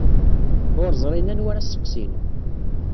Ur ẓrin anwa ara sseqsin.